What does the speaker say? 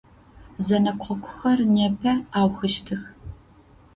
Зэнэкъокъухэр непэ аухыщтых.